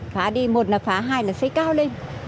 phá đi một là phá hai là xây cao lên